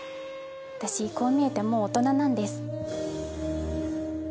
「私、こう見えてもうオトナなんです」。